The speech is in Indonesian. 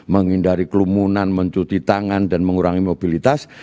menghindari kelumunan mencuti tangan dan mengurangi mobilitas